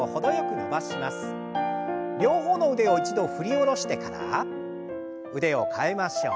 両方の腕を一度振り下ろしてから腕を替えましょう。